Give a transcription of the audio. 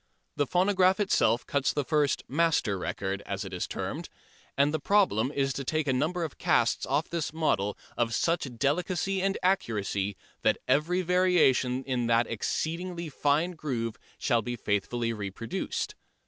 The phonograph itself cuts the first "master" record, as it is termed, and the problem is to take a number of casts off this model of such delicacy and accuracy that every variation in that exceedingly fine groove shall be faithfully reproduced.